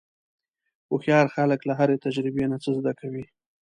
هوښیار خلک له هرې تجربې نه څه زده کوي.